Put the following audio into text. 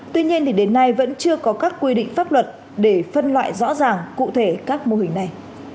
tuy nhiên đến nay vẫn chưa có các quy định pháp luật để phân loại rõ ràng cụ thể các mô hình này